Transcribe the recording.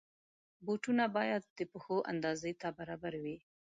بوټونه باید د پښو اندازې ته برابر وي.